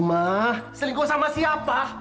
hah selingkuh sama siapa